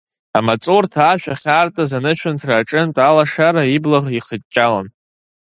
Амаҵурҭа ашә ахьаартыз анышәынҭра аҿынтә алашара ибла ихыҷҷалон.